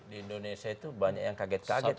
di indonesia itu banyak yang kaget kaget